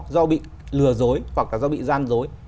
do bị lừa dối hoặc là do bị gian dối